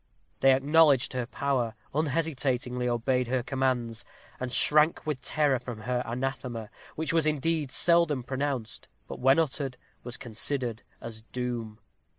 They acknowledged her power, unhesitatingly obeyed her commands, and shrank with terror from her anathema, which was indeed seldom pronounced; but when uttered, was considered as doom.